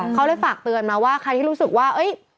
เขาเลยฝากเตือนมาว่าใครที่รู้สึกว่า